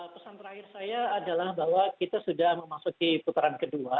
pesan terakhir saya adalah bahwa kita sudah memasuki putaran kedua